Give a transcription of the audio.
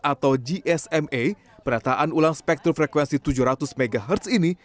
atau gsma penataan ulang spektrum frekuensi tujuh ratus mhz ini